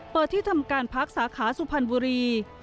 เปิดที่ธรรมการภักดิ์สาขาสุพรรณบุรี